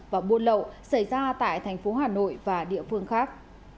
và buôn lậu xảy ra tại thành phố hà nội và địa phương khác